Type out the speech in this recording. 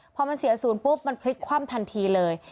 พอมันเสียศูนย์ปุ๊บมันพลิกคว่ำทันทีเลย